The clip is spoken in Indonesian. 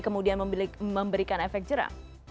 kemudian memberikan efek jera